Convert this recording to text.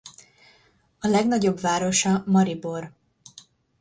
A legnagyobb városa Maribor.